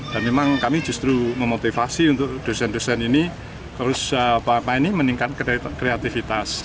dan memang kami justru memotivasi untuk dosen dosen ini harus apa apa ini meningkat kreativitas